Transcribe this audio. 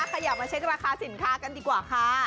ขยับมาเช็คราคาสินค้ากันดีกว่าค่ะ